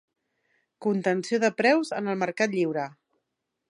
Contenció de preus en el mercat lliure.